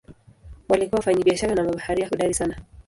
Walikuwa wafanyabiashara na mabaharia hodari sana.